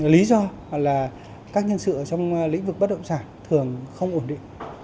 lý do là các nhân sự trong lĩnh vực bất động sản thường không ổn định